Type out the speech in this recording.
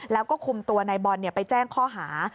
แล้วก็คุมตัวนายบอลไปแจ้งข้อหา